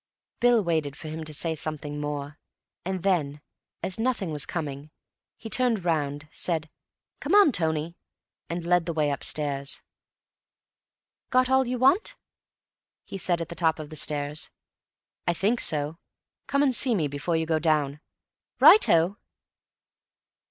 Bill waited for him to say something more, and then, as nothing was coming, he turned round, said, "Come on, Tony," and led the way upstairs. "Got all you want?" he said at the top of the stairs. "I think so. Come and see me before you go down." "Righto."